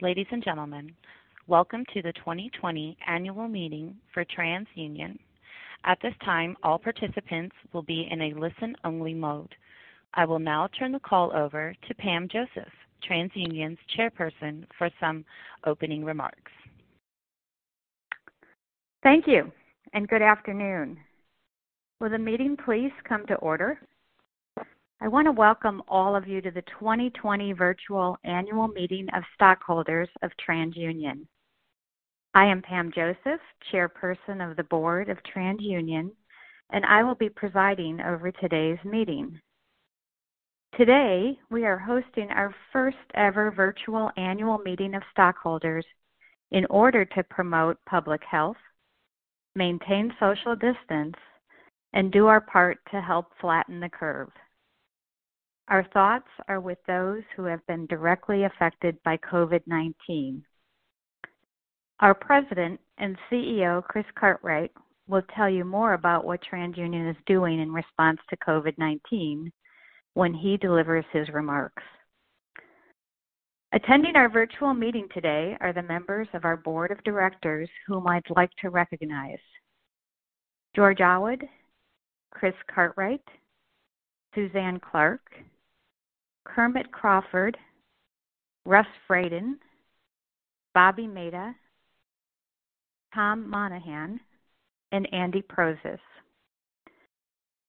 Ladies and gentlemen, welcome to the 2020 Annual Meeting for TransUnion. At this time, all participants will be in a listen-only mode. I will now turn the call over to Pam Joseph, TransUnion's Chairperson, for some opening remarks. Thank you, and good afternoon. Will the meeting please come to order? I want to welcome all of you to the 2020 Virtual Annual Meeting of Stockholders of TransUnion. I am Pam Joseph, Chairperson of the Board of TransUnion, and I will be presiding over today's meeting. Today, we are hosting our first-ever virtual annual meeting of stockholders in order to promote public health, maintain social distance, and do our part to help flatten the curve. Our thoughts are with those who have been directly affected by COVID-19. Our President and CEO, Chris Cartwright, will tell you more about what TransUnion is doing in response to COVID-19 when he delivers his remarks. Attending our virtual meeting today are the members of our Board of Directors whom I'd like to recognize: George Awad, Chris Cartwright, Suzanne Clark, Kermit Crawford, Russ Fradin, Bobby Mehta, Tom Monahan, and Andrew Prozes.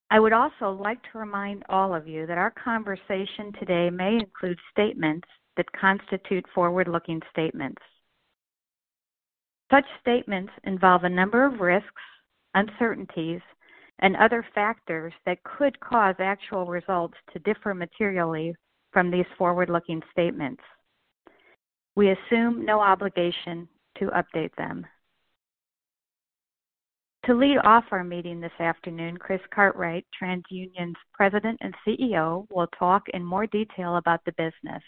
I would also like to remind all of you that our conversation today may include statements that constitute forward-looking statements. Such statements involve a number of risks, uncertainties, and other factors that could cause actual results to differ materially from these forward-looking statements. We assume no obligation to update them. To lead off our meeting this afternoon, Chris Cartwright, TransUnion's President and CEO, will talk in more detail about the business.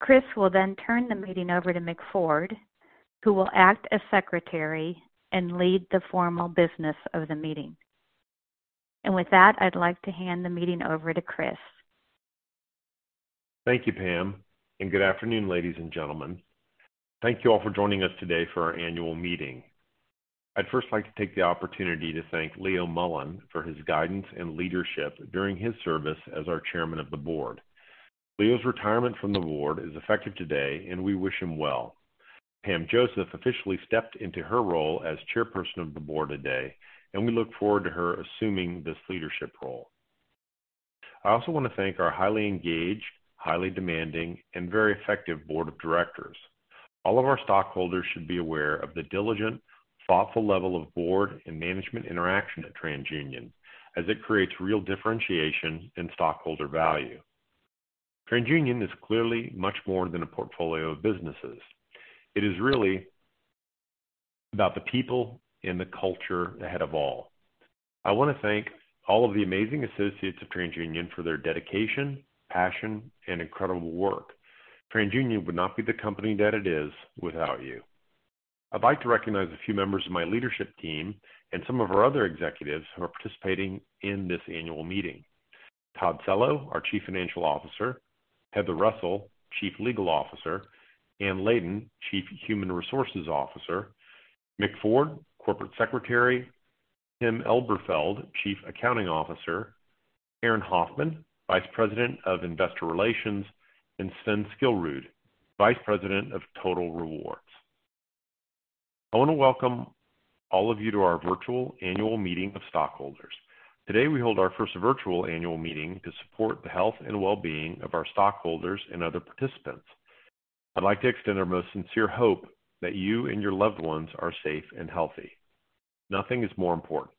Chris will then turn the meeting over to Mick Ford, who will act as Secretary and lead the formal business of the meeting. And with that, I'd like to hand the meeting over to Chris. Thank you, Pam, and good afternoon, ladies and gentlemen. Thank you all for joining us today for our annual meeting. I'd first like to take the opportunity to thank Leo Mullin for his guidance and leadership during his service as our Chairman of the Board. Leo's retirement from the Board is effective today, and we wish him well. Pam Joseph officially stepped into her role as Chairperson of the Board today, and we look forward to her assuming this leadership role. I also want to thank our highly engaged, highly demanding, and very effective Board of Directors. All of our stockholders should be aware of the diligent, thoughtful level of Board and management interaction at TransUnion, as it creates real differentiation and stockholder value. TransUnion is clearly much more than a portfolio of businesses. It is really about the people and the culture ahead of all. I want to thank all of the amazing associates of TransUnion for their dedication, passion, and incredible work. TransUnion would not be the company that it is without you. I'd like to recognize a few members of my leadership team and some of our other executives who are participating in this annual meeting: Todd Cello, our Chief Financial Officer, Heather Russell, Chief Legal Officer, Anne Leyden, Chief Human Resources Officer, Mick Ford, Corporate Secretary, Tim Elberfeld, Chief Accounting Officer, Aaron Hoffman, Vice President of Investor Relations, and Sven Skillrud, Vice President of Total Rewards. I want to welcome all of you to our virtual annual meeting of stockholders. Today, we hold our first virtual annual meeting to support the health and well-being of our stockholders and other participants. I'd like to extend our most sincere hope that you and your loved ones are safe and healthy. Nothing is more important.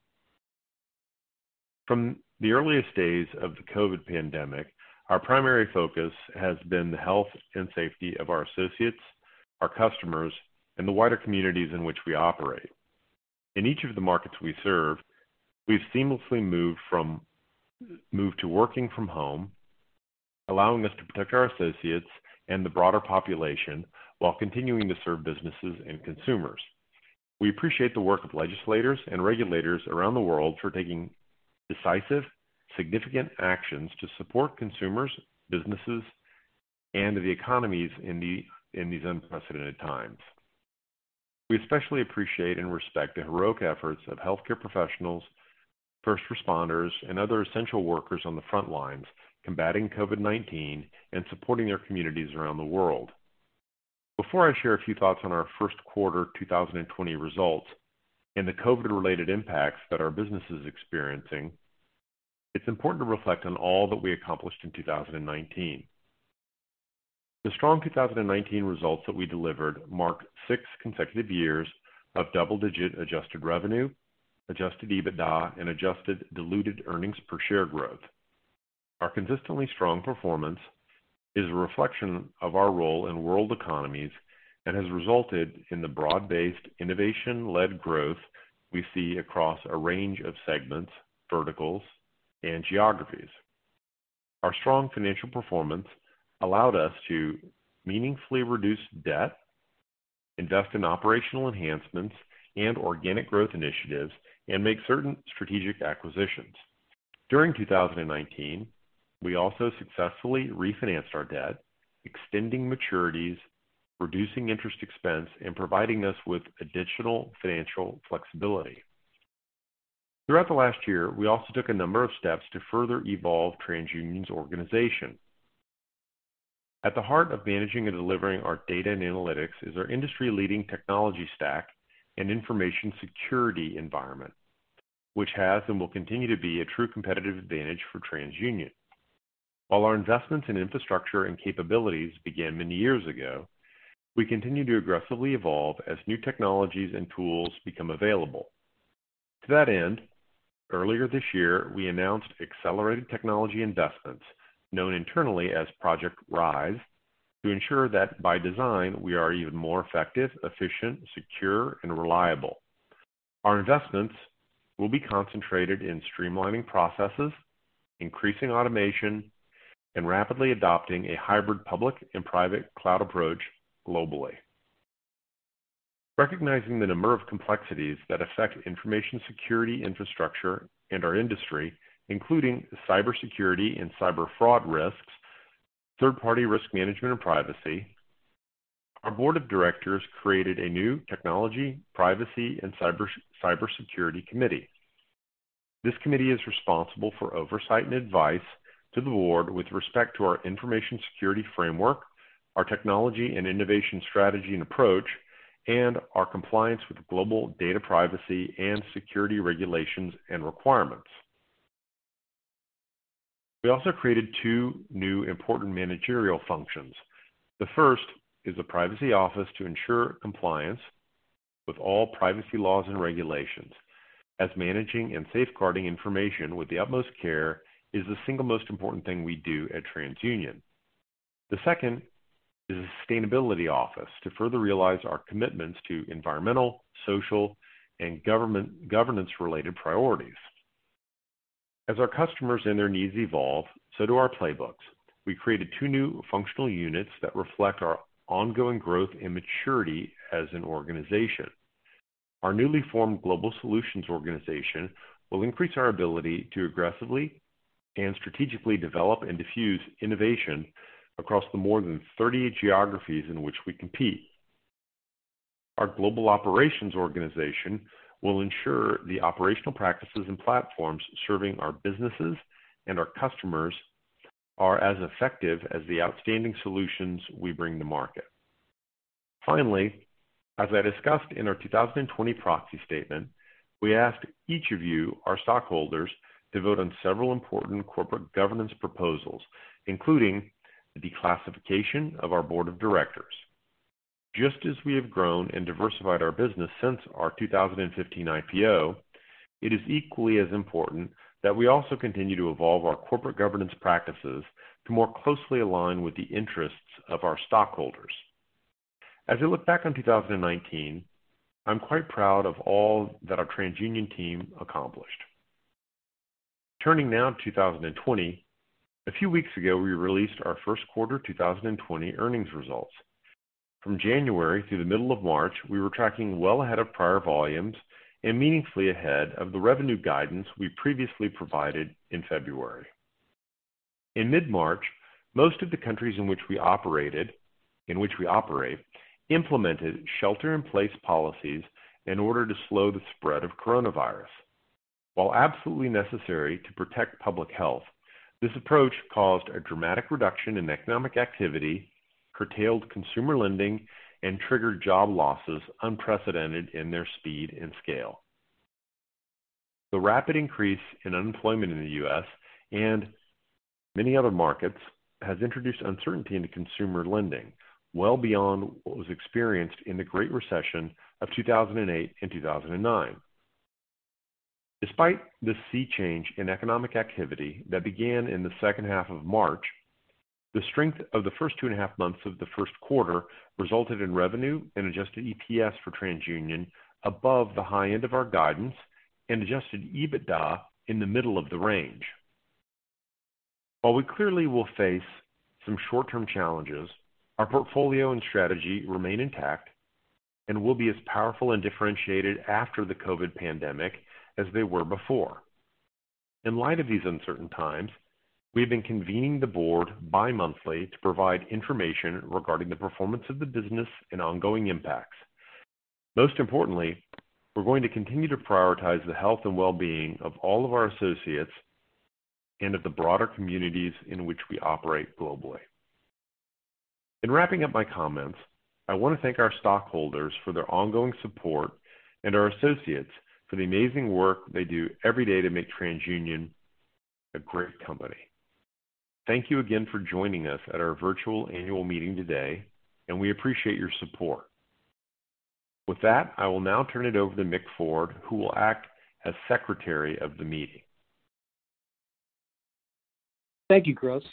From the earliest days of the COVID pandemic, our primary focus has been the health and safety of our associates, our customers, and the wider communities in which we operate. In each of the markets we serve, we've seamlessly moved to working from home, allowing us to protect our associates and the broader population while continuing to serve businesses and consumers. We appreciate the work of legislators and regulators around the world for taking decisive, significant actions to support consumers, businesses, and the economies in these unprecedented times. We especially appreciate and respect the heroic efforts of healthcare professionals, first responders, and other essential workers on the front lines combating COVID-19 and supporting their communities around the world. Before I share a few thoughts on our first quarter 2020 results and the COVID-related impacts that our business is experiencing, it's important to reflect on all that we accomplished in 2019. The strong 2019 results that we delivered marked six consecutive years of double-digit adjusted revenue, adjusted EBITDA, and adjusted diluted earnings per share growth. Our consistently strong performance is a reflection of our role in world economies and has resulted in the broad-based innovation-led growth we see across a range of segments, verticals, and geographies. Our strong financial performance allowed us to meaningfully reduce debt, invest in operational enhancements, and organic growth initiatives, and make certain strategic acquisitions. During 2019, we also successfully refinanced our debt, extending maturities, reducing interest expense, and providing us with additional financial flexibility. Throughout the last year, we also took a number of steps to further evolve TransUnion's organization. At the heart of managing and delivering our data and analytics is our industry-leading technology stack and information security environment, which has and will continue to be a true competitive advantage for TransUnion. While our investments in infrastructure and capabilities began many years ago, we continue to aggressively evolve as new technologies and tools become available. To that end, earlier this year, we announced accelerated technology investments, known internally as Project Rise, to ensure that by design, we are even more effective, efficient, secure, and reliable. Our investments will be concentrated in streamlining processes, increasing automation, and rapidly adopting a hybrid public and private cloud approach globally. Recognizing the number of complexities that affect information security infrastructure and our industry, including cybersecurity and cyber fraud risks, third-party risk management, and privacy, our Board of Directors created a new Technology, Privacy, and Cybersecurity Committee. This committee is responsible for oversight and advice to the Board with respect to our information security framework, our technology and innovation strategy and approach, and our compliance with global data privacy and security regulations and requirements. We also created two new important managerial functions. The first is a privacy office to ensure compliance with all privacy laws and regulations, as managing and safeguarding information with the utmost care is the single most important thing we do at TransUnion. The second is a sustainability office to further realize our commitments to environmental, social, and governance-related priorities. As our customers and their needs evolve, so do our playbooks. We created two new functional units that reflect our ongoing growth and maturity as an organization. Our newly formed Global Solutions Organization will increase our ability to aggressively and strategically develop and diffuse innovation across the more than 38 geographies in which we compete. Our Global Operations Organization will ensure the operational practices and platforms serving our businesses and our customers are as effective as the outstanding solutions we bring to market. Finally, as I discussed in our 2020 Proxy Statement, we asked each of you, our stockholders, to vote on several important corporate governance proposals, including the declassification of our Board of Directors. Just as we have grown and diversified our business since our 2015 IPO, it is equally as important that we also continue to evolve our corporate governance practices to more closely align with the interests of our stockholders. As we look back on 2019, I'm quite proud of all that our TransUnion team accomplished. Turning now to 2020, a few weeks ago, we released our first quarter 2020 earnings results. From January through the middle of March, we were tracking well ahead of prior volumes and meaningfully ahead of the revenue guidance we previously provided in February. In mid-March, most of the countries in which we operated, in which we operate, implemented shelter-in-place policies in order to slow the spread of coronavirus. While absolutely necessary to protect public health, this approach caused a dramatic reduction in economic activity, curtailed consumer lending, and triggered job losses unprecedented in their speed and scale. The rapid increase in unemployment in the U.S. and many other markets has introduced uncertainty into consumer lending, well beyond what was experienced in the Great Recession of 2008 and 2009. Despite the sea change in economic activity that began in the second half of March, the strength of the first two and a half months of the first quarter resulted in revenue and adjusted EPS for TransUnion above the high end of our guidance and adjusted EBITDA in the middle of the range. While we clearly will face some short-term challenges, our portfolio and strategy remain intact and will be as powerful and differentiated after the COVID pandemic as they were before. In light of these uncertain times, we have been convening the Board bi-monthly to provide information regarding the performance of the business and ongoing impacts. Most importantly, we're going to continue to prioritize the health and well-being of all of our associates and of the broader communities in which we operate globally. In wrapping up my comments, I want to thank our stockholders for their ongoing support and our associates for the amazing work they do every day to make TransUnion a great company. Thank you again for joining us at our virtual annual meeting today, and we appreciate your support. With that, I will now turn it over to Mick Ford, who will act as Secretary of the Meeting. Thank you, Chris.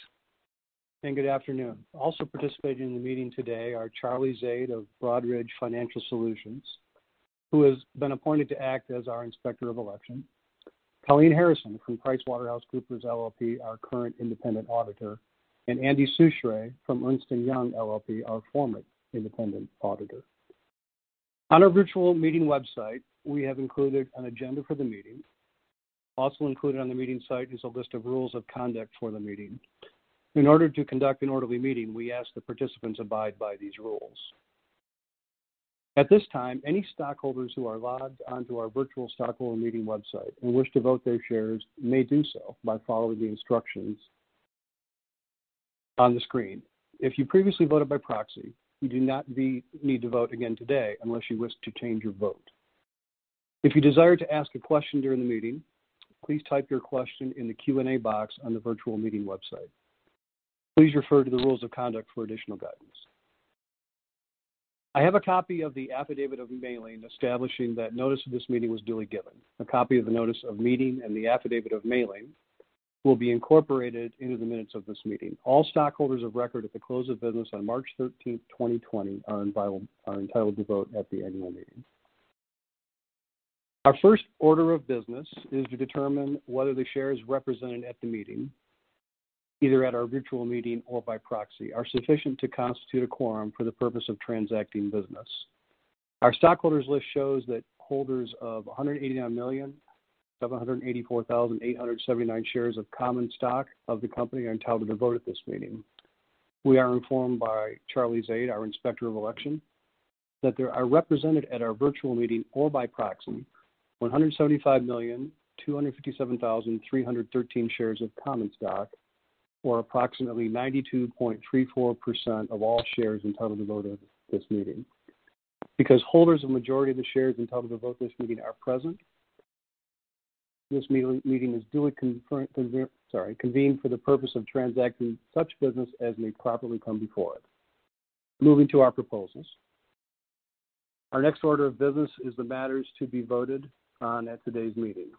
And good afternoon. Also participating in the meeting today are Charlie Zade of Broadridge Financial Solutions, who has been appointed to act as our Inspector of Election, Colleen Harrison from PricewaterhouseCoopers LLP, our current independent auditor, and Andy Socher from Ernst & Young LLP, our former independent auditor. On our virtual meeting website, we have included an agenda for the meeting. Also included on the meeting site is a list of rules of conduct for the meeting. In order to conduct an orderly meeting, we ask the participants abide by these rules. At this time, any stockholders who are logged onto our virtual stockholder meeting website and wish to vote their shares may do so by following the instructions on the screen. If you previously voted by proxy, you do not need to vote again today unless you wish to change your vote. If you desire to ask a question during the meeting, please type your question in the Q&A box on the virtual meeting website. Please refer to the rules of conduct for additional guidance. I have a copy of the affidavit of mailing establishing that notice of this meeting was duly given. A copy of the notice of meeting and the affidavit of mailing will be incorporated into the minutes of this meeting. All stockholders of record at the close of business on March 13th, 2020, are entitled to vote at the annual meeting. Our first order of business is to determine whether the shares represented at the meeting, either at our virtual meeting or by proxy, are sufficient to constitute a quorum for the purpose of transacting business. Our stockholders' list shows that holders of 189,784,879 shares of common stock of the company are entitled to vote at this meeting. We are informed by Charles Zade, our Inspector of Election, that there are represented at our virtual meeting or by proxy 175,257,313 shares of common stock, or approximately 92.34% of all shares entitled to vote at this meeting. Because holders of the majority of the shares entitled to vote at this meeting are present, this meeting is duly convened for the purpose of transacting such business as may properly come before it. Moving to our proposals. Our next order of business is the matters to be voted on at today's meeting.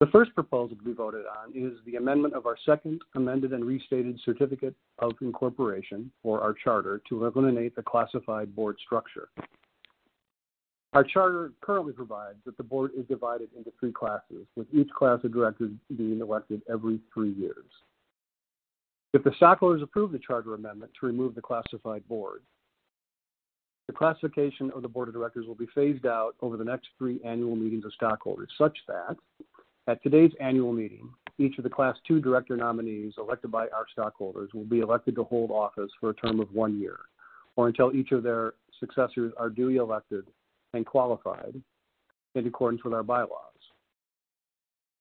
The first proposal to be voted on is the amendment of our second amended and restated certificate of incorporation, or our charter, to eliminate the classified Board structure. Our charter currently provides that the Board is divided into three classes, with each class of directors being elected every three years. If the stockholders approve the charter amendment to remove the classified Board, the classification of the Board of Directors will be phased out over the next three annual meetings of stockholders, such that at today's annual meeting, each of the Class II director nominees elected by our stockholders will be elected to hold office for a term of one year or until each of their successors are duly elected and qualified in accordance with our bylaws.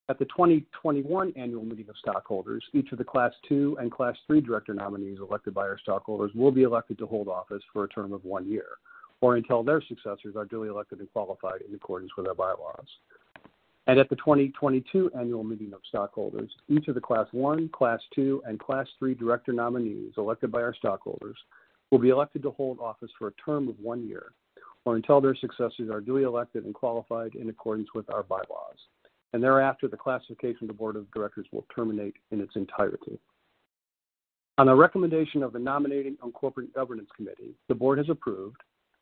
At the 2021 annual meeting of stockholders, each of the Class II and Class III director nominees elected by our stockholders will be elected to hold office for a term of one year or until their successors are duly elected and qualified in accordance with our bylaws. At the 2022 annual meeting of stockholders, each of the Class I, Class II, and Class III director nominees elected by our stockholders will be elected to hold office for a term of one year or until their successors are duly elected and qualified in accordance with our bylaws. Thereafter, the classification of the Board of Directors will terminate in its entirety. On the recommendation of the Nominating and Corporate Governance Committee, the Board has approved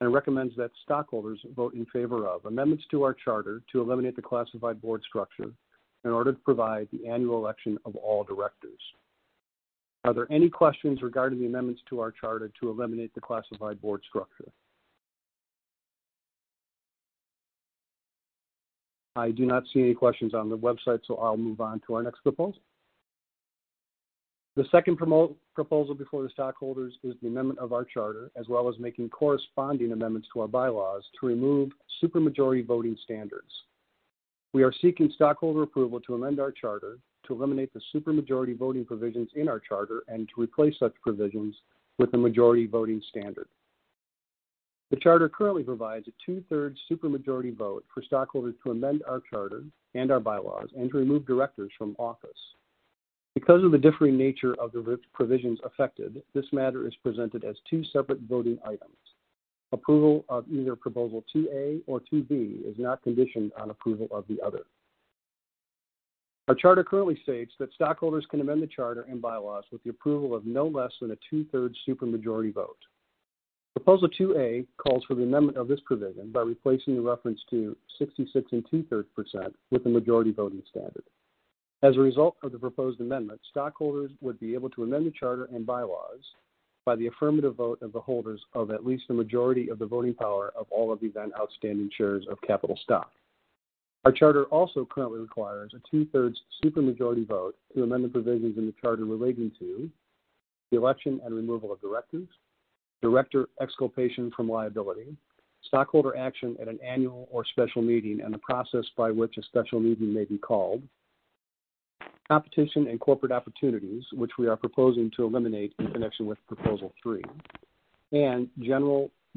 and recommends that stockholders vote in favor of amendments to our charter to eliminate the classified Board structure in order to provide the annual election of all directors. Are there any questions regarding the amendments to our charter to eliminate the classified Board structure? I do not see any questions on the website, so I'll move on to our next proposal. The second proposal before the stockholders is the amendment of our charter, as well as making corresponding amendments to our bylaws to remove supermajority voting standards. We are seeking stockholder approval to amend our charter to eliminate the supermajority voting provisions in our charter and to replace such provisions with a majority voting standard. The charter currently provides a two-thirds supermajority vote for stockholders to amend our charter and our bylaws and to remove directors from office. Because of the differing nature of the provisions affected, this matter is presented as two separate voting items. Approval of either Proposal 2A or 2B is not conditioned on approval of the other. Our charter currently states that stockholders can amend the charter and bylaws with the approval of no less than a two-thirds supermajority vote. Proposal 2A calls for the amendment of this provision by replacing the reference to 66% and two-thirds percent with a majority voting standard. As a result of the proposed amendment, stockholders would be able to amend the charter and bylaws by the affirmative vote of the holders of at least a majority of the voting power of all of the then outstanding shares of capital stock. Our charter also currently requires a two-thirds supermajority vote to amend the provisions in the charter relating to the election and removal of directors, director exculpation from liability, stockholder action at an annual or special meeting, and the process by which a special meeting may be called, competition and corporate opportunities, which we are proposing to eliminate in connection with Proposal 3, and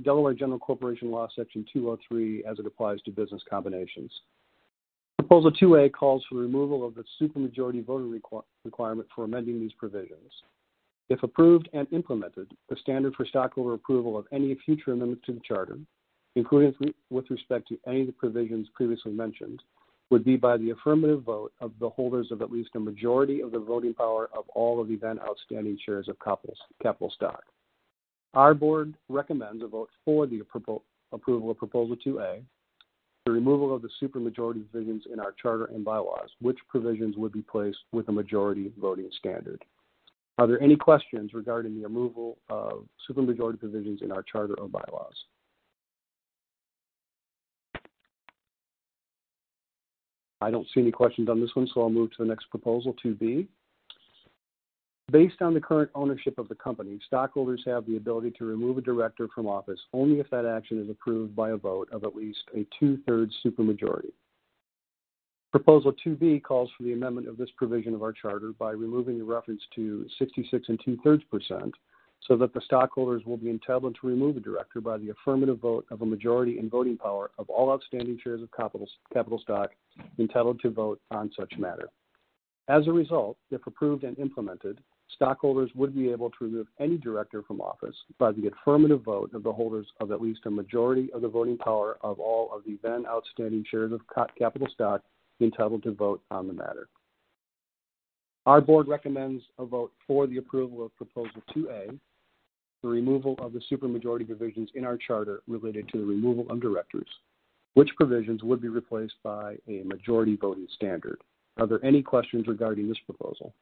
Delaware General Corporation Law Section 203 as it applies to business combinations. Proposal 2A calls for the removal of the supermajority voter requirement for amending these provisions. If approved and implemented, the standard for stockholder approval of any future amendments to the charter, including with respect to any of the provisions previously mentioned, would be by the affirmative vote of the holders of at least a majority of the voting power of all of the then outstanding shares of capital stock. Our Board recommends a vote for the approval of Proposal 2A, the removal of the supermajority provisions in our charter and bylaws, which provisions would be placed with a majority voting standard. Are there any questions regarding the removal of supermajority provisions in our charter or bylaws? I don't see any questions on this one, so I'll move to the next Proposal, 2B. Based on the current ownership of the company, stockholders have the ability to remove a director from office only if that action is approved by a vote of at least a two-thirds supermajority. Proposal 2B calls for the amendment of this provision of our charter by removing the reference to 66% and two-thirds percent so that the stockholders will be entitled to remove a director by the affirmative vote of a majority in voting power of all outstanding shares of capital stock entitled to vote on such matter. As a result, if approved and implemented, stockholders would be able to remove any director from office by the affirmative vote of the holders of at least a majority of the voting power of all of the then outstanding shares of capital stock entitled to vote on the matter. Our Board recommends a vote for the approval of Proposal 2A, the removal of the supermajority provisions in our charter related to the removal of directors, which provisions would be replaced by a majority voting standard. Are there any questions regarding this Proposal?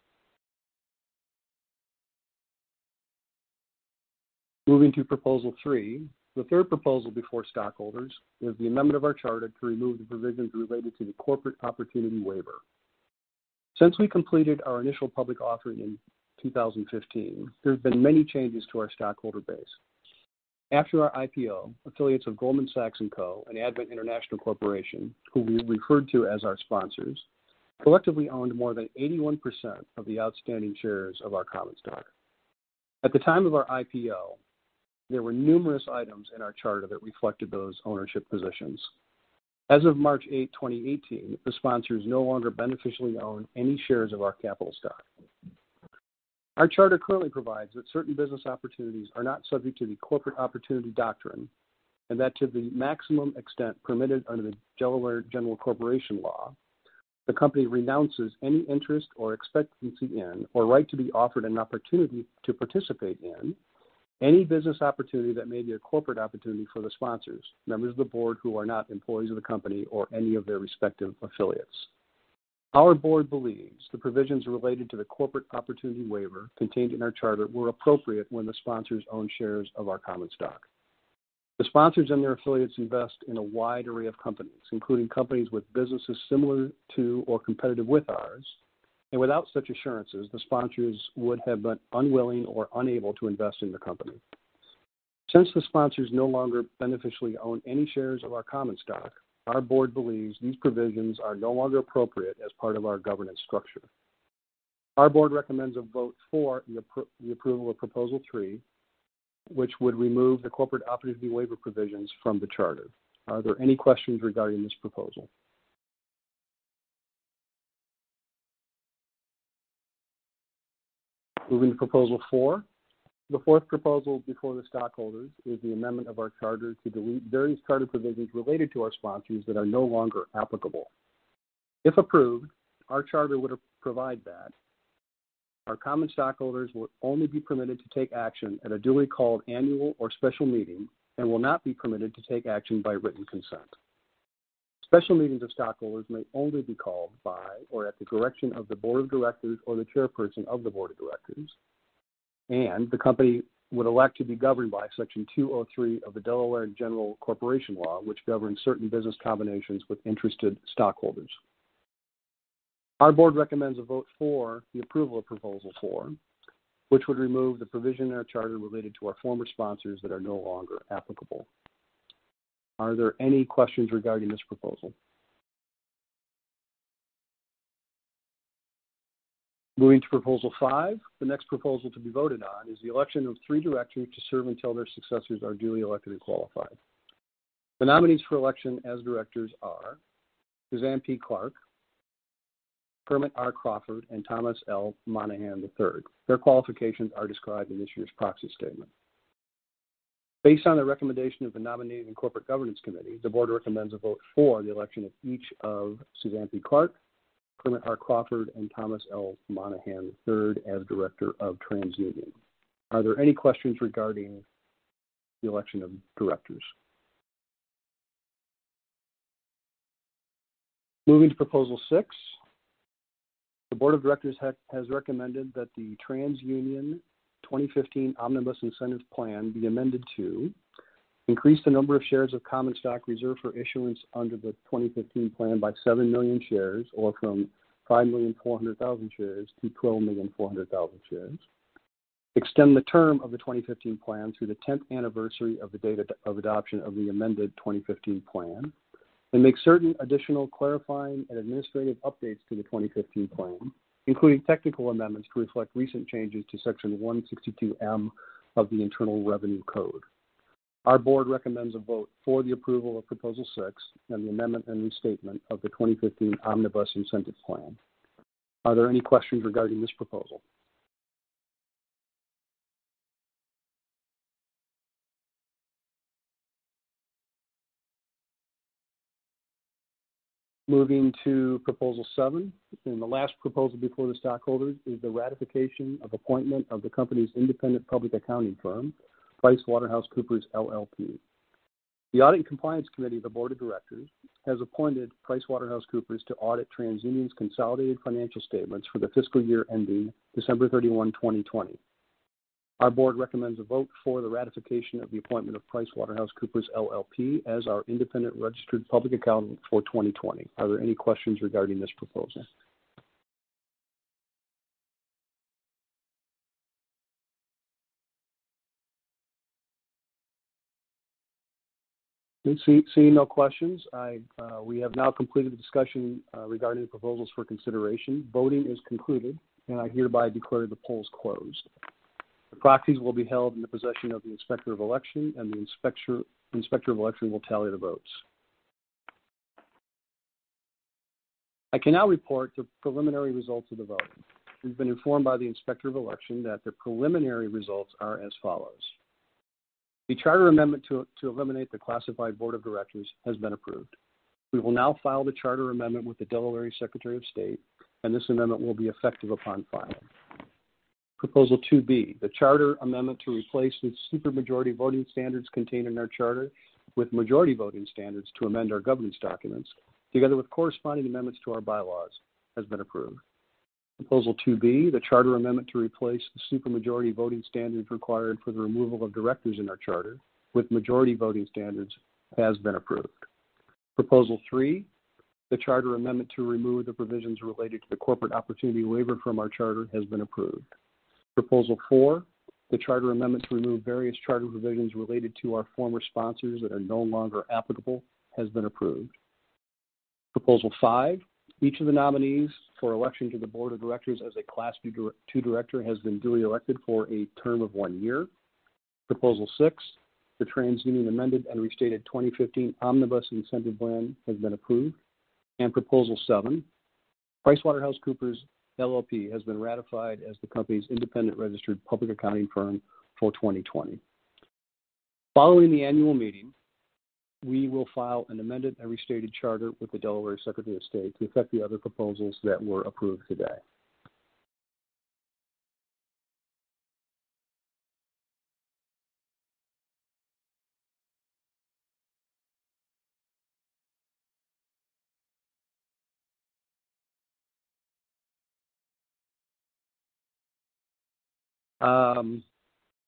Moving to Proposal 3, the third proposal before stockholders is the amendment of our charter to remove the provisions related to the Corporate Opportunity Waiver. Since we completed our initial public offering in 2015, there have been many changes to our stockholder base. After our IPO, affiliates of Goldman Sachs & Co. and Advent International Corporation, who we referred to as our sponsors, collectively owned more than 81% of the outstanding shares of our common stock. At the time of our IPO, there were numerous items in our charter that reflected those ownership positions. As of March 8th, 2018, the sponsors no longer beneficially own any shares of our capital stock. Our charter currently provides that certain business opportunities are not subject to the corporate opportunity doctrine and that to the maximum extent permitted under the Delaware General Corporation Law, the company renounces any interest or expectancy in or right to be offered an opportunity to participate in any business opportunity that may be a corporate opportunity for the sponsors, members of the Board who are not employees of the company, or any of their respective affiliates. Our Board believes the provisions related to the Corporate Opportunity waiver contained in our charter were appropriate when the sponsors own shares of our common stock. The sponsors and their affiliates invest in a wide array of companies, including companies with businesses similar to or competitive with ours, and without such assurances, the sponsors would have been unwilling or unable to invest in the company. Since the sponsors no longer beneficially own any shares of our common stock, our Board believes these provisions are no longer appropriate as part of our governance structure. Our Board recommends a vote for the approval of Proposal 3, which would remove the Corporate Opportunity Waiver provisions from the charter. Are there any questions regarding this proposal? Moving to Proposal 4. The fourth proposal before the stockholders is the amendment of our charter to delete various charter provisions related to our sponsors that are no longer applicable. If approved, our charter would provide that our common stockholders will only be permitted to take action at a duly called annual or special meeting and will not be permitted to take action by written consent. Special meetings of stockholders may only be called by or at the direction of the Board of Directors or the Chairperson of the Board of Directors, and the company would elect to be governed by Section 203 of the Delaware General Corporation Law, which governs certain business combinations with interested stockholders. Our Board recommends a vote for the approval of proposal four, which would remove the provision in our charter related to our former sponsors that are no longer applicable. Are there any questions regarding this proposal? Moving to proposal five, the next proposal to be voted on is the election of three directors to serve until their successors are duly elected and qualified. The nominees for election as directors are Suzanne P. Clark, Kermit R. Crawford, and Thomas L. Monahan III. Their qualifications are described in this year's proxy statement. Based on the recommendation of the nominating and corporate governance committee, the Board recommends a vote for the election of each of Suzanne P. Clark, Kermit R. Crawford, and Thomas L. Monahan III as director of TransUnion. Are there any questions regarding the election of directors? Moving to Proposal 6, the Board of Directors has recommended that the TransUnion 2015 Omnibus Incentive Plan be amended to increase the number of shares of common stock reserved for issuance under the 2015 plan by 7 million shares or from 5,400,000 shares to 12,400,000 shares, extend the term of the 2015 plan through the 10th anniversary of the date of adoption of the amended 2015 plan, and make certain additional clarifying and administrative updates to the 2015 plan, including technical amendments to reflect recent changes to Section 162(m) of the Internal Revenue Code. Our Board recommends a vote for the approval of Proposal 6 and the amendment and restatement of the 2015 Omnibus Incentive Plan. Are there any questions regarding this proposal? Moving to Proposal 7, and the last proposal before the stockholders is the ratification of appointment of the company's independent public accounting firm, PricewaterhouseCoopers LLP. The Audit and Compliance Committee of the Board of Directors has appointed PricewaterhouseCoopers to audit TransUnion's consolidated financial statements for the fiscal year ending December 31, 2020. Our Board recommends a vote for the ratification of the appointment of PricewaterhouseCoopers LLP as our independent registered public accountant for 2020. Are there any questions regarding this proposal? Seeing no questions, we have now completed the discussion regarding the proposals for consideration. Voting is concluded, and I hereby declare the polls closed. The proxies will be held in the possession of the inspector of election, and the inspector of election will tally the votes. I can now report the preliminary results of the vote. We've been informed by the inspector of election that the preliminary results are as follows. The charter amendment to eliminate the classified Board of Directors has been approved. We will now file the charter amendment with the Delaware Secretary of State, and this amendment will be effective upon filing. Proposal 2B, the charter amendment to replace the supermajority voting standards contained in our charter with majority voting standards to amend our governance documents together with corresponding amendments to our bylaws, has been approved. Proposal 2B, the charter amendment to replace the supermajority voting standards required for the removal of directors in our charter with majority voting standards has been approved. Proposal 3, the charter amendment to remove the provisions related to the Corporate Opportunity Waiver from our charter has been approved. Proposal 4, the charter amendment to remove various charter provisions related to our former sponsors that are no longer applicable has been approved. Proposal 5, each of the nominees for election to the Board of Directors as a Class 2 director has been duly elected for a term of one year. Proposal 6, the TransUnion amended and restated 2015 Omnibus Incentive Plan has been approved. And Proposal 7, PricewaterhouseCoopers LLP has been ratified as the company's independent registered public accounting firm for 2020. Following the annual meeting, we will file an amended and restated charter with the Delaware Secretary of State to effect the other proposals that were approved today.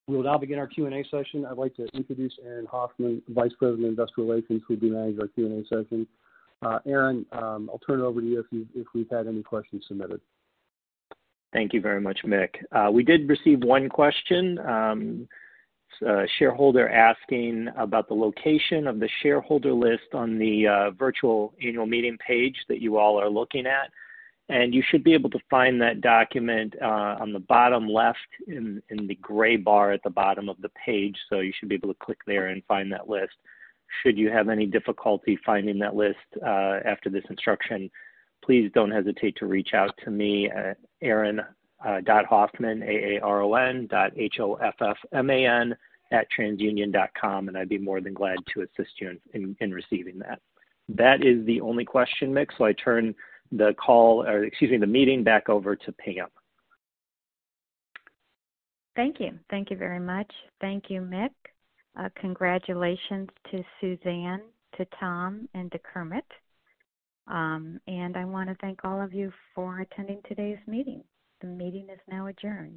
We will now begin our Q&A session. I'd like to introduce Aaron Hoffman, Vice President of Investor Relations, who will be managing our Q&A session. Aaron, I'll turn it over to you if we've had any questions submitted. Thank you very much, Mick. We did receive one question, a shareholder asking about the location of the shareholder list on the virtual annual meeting page that you all are looking at. You should be able to find that document on the bottom left in the gray bar at the bottom of the page, so you should be able to click there and find that list. Should you have any difficulty finding that list after this instruction, please don't hesitate to reach out to me, Aaron Hoffman, A-A-R-O-N, dot H-O-F-F-M-A-N at TransUnion.com, and I'd be more than glad to assist you in receiving that. That is the only question, Mick, so I turn the call, or excuse me, the meeting back over to Pam. Thank you. Thank you very much. Thank you, Mick. Congratulations to Suzanne, to Tom, and to Kermit. I want to thank all of you for attending today's meeting. The meeting is now adjourned.